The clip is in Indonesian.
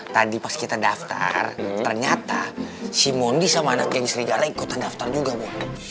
tadi pas kita daftar ternyata si mondi sama anak geng srigala ikutan daftar juga bu